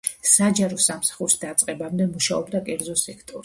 საჯარო სამსახურის დაწყებამდე მუშაობდა კერძო სექტორში.